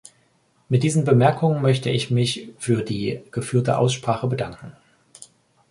Mit diesen Bemerkungen möchte ich mich für die geführte Aussprache bedanken.